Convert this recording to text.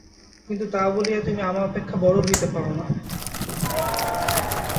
কিন্তু তা বলিয়া তুমি আমা অপেক্ষা বড় হইতে পার না।